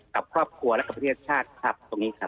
กับครอบครัวและกับประเทศชาติครับตรงนี้ครับ